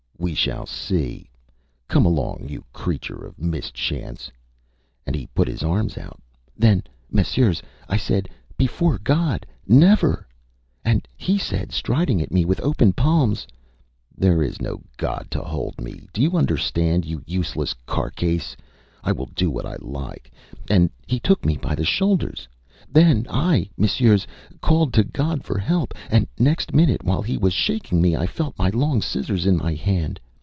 We shall see! Come along, you creature of mischance!Â And he put his arms out. Then, Messieurs, I said: ÂBefore God never!Â And he said, striding at me with open palms: ÂThere is no God to hold me! Do you understand, you useless carcase. I will do what I like.Â And he took me by the shoulders. Then I, Messieurs, called to God for help, and next minute, while he was shaking me, I felt my long scissors in my hand.